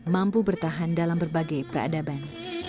mampu bertahan dalam berbagai peradaban